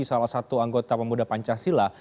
salah satu anggota pemuda pancasila